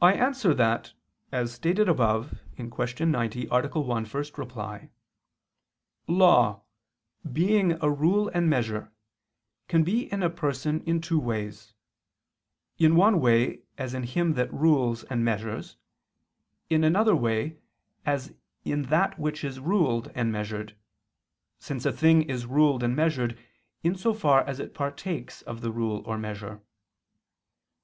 I answer that, As stated above (Q. 90, A. 1, ad 1), law, being a rule and measure, can be in a person in two ways: in one way, as in him that rules and measures; in another way, as in that which is ruled and measured, since a thing is ruled and measured, in so far as it partakes of the rule or measure.